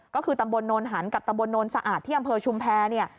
ก็คือตำบลนนท์หันกับตำบลนนท์สะอาดที่อำเภอชุมแพทย์